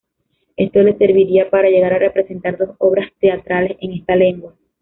Esto le serviría para llegar a representar dos obras teatrales en esta lengua.